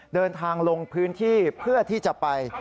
เดินทางลงพื้นที่เพื่อที่จะไป